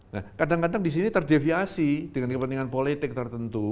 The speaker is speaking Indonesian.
nah kadang kadang disini terdeviasi dengan kepentingan politik tertentu